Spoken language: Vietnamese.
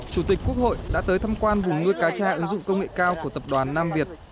chủ tịch quốc hội đã tới thăm quan vùng nuôi cá tra ứng dụng công nghệ cao của tập đoàn nam việt